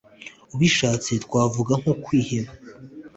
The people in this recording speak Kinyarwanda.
ubishatse twavuga nko kwiheba